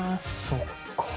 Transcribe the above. そっか。